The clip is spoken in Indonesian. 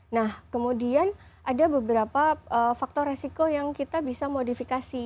nah kemudian ada beberapa faktor resiko yang kita bisa modifikasi